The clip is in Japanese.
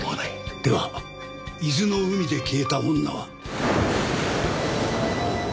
では伊豆の海で消えた女は。